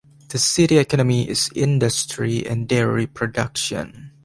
The city economy is industry and dairy production.